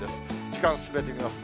時間進めてみます。